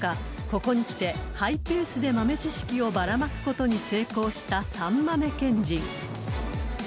ここにきてハイペースで豆知識をバラまくことに成功した３豆賢人］